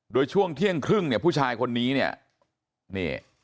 โดยช่วงเที่ยงครึ่งเนี่ยผู้ชายคนนี้เนี่ยนี่